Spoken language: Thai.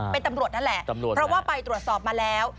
เป็นตำรวจนั่นแหละตำรวจเพราะว่าไปตรวจสอบมาแล้ว